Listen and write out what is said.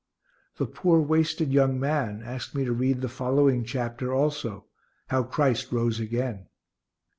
The poor wasted young man asked me to read the following chapter also, how Christ rose again.